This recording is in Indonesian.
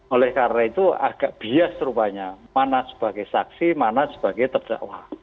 oleh karena itu agak bias rupanya mana sebagai saksi mana sebagai terdakwa